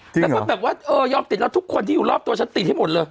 แล้วก็แบบว่าเออยอมติดแล้วทุกคนที่อยู่รอบตัวฉันติดให้หมดเลย